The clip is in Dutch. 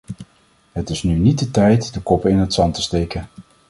Het is nu niet de tijd de koppen in het zand te steken.